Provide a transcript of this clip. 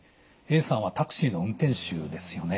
Ａさんはタクシーの運転手ですよね。